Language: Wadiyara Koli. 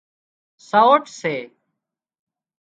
سئوٽ سي